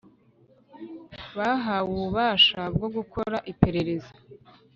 bahawe ububasha bwo gukora iperereza